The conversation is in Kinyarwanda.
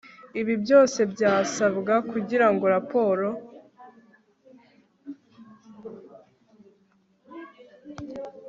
ibindi byose byasabwa kugira ngo raporo